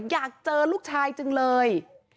อยากเจอลูกชายจังเลย